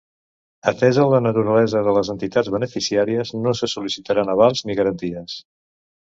Atesa la naturalesa de les entitats beneficiàries, no se sol·licitaran avals ni garanties.